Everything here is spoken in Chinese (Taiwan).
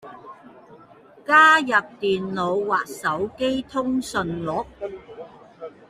加入電腦或手機通訊錄